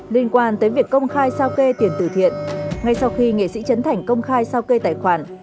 liên quan tới việc công khai sao kê tiền tử thiện ngay sau khi nghệ sĩ chấn thành công khai sao kê tài khoản